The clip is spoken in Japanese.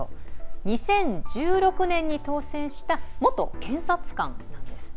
２０１６年に当選した元検察官なんですね。